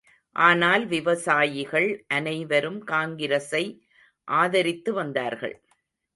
ஆனால் விவசாயிகள் அனைவரும் காங்கிரசை ஆதரித்து வந்தார்கள்.